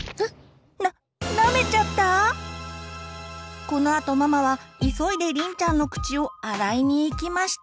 このあとママは急いでりんちゃんの口を洗いに行きました。